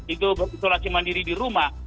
itu berisolasi mandiri di rumah